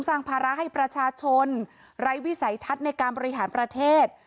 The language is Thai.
ภาระให้ประชาชนไร้วิสัยทัศน์ในการบริหารประเทศ